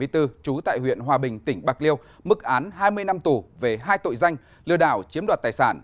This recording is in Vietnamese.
trú tại huyện hòa bình tỉnh bạc liêu mức án hai mươi năm tù về hai tội danh lừa đảo chiếm đoạt tài sản